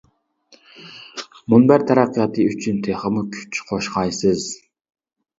مۇنبەر تەرەققىياتى ئۈچۈن تېخىمۇ كۈچ قوشقايسىز!